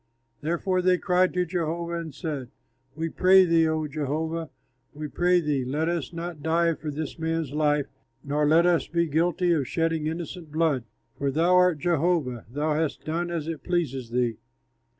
Therefore they cried to Jehovah and said, "We pray thee, O Jehovah, we pray thee, let us not die for this man's life, nor let us be guilty of shedding innocent blood, for thou art Jehovah; thou hast done as it pleases thee."